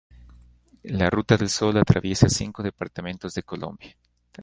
La Ruta del Sol atraviesa cinco departamentos de Colombia.